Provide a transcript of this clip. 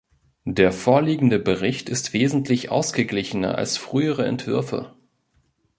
Der vorliegende Bericht ist wesentlich ausgeglichener als frühere Entwürfe.